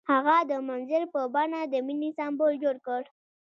هغه د منظر په بڼه د مینې سمبول جوړ کړ.